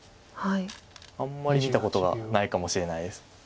あんまり見たことがないかもしれないです。